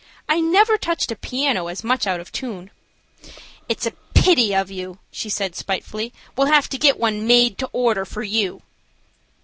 "I never touched a piano as much out of tune." "It's a pity of you," she said, spitefully; "we'll have to get one made to order for you."